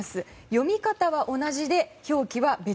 読み方は同じで表記は別。